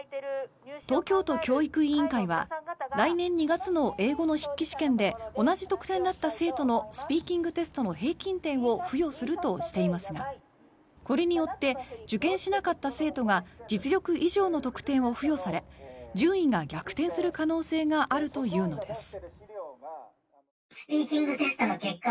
東京都教育委員会は来年２月の英語の筆記試験で同じ得点だった生徒のスピーキングテストの平均点を付与するとしていますがこれによって受験しなかった生徒が実力以上の得点を付与され順位が逆転する可能性があるというのです。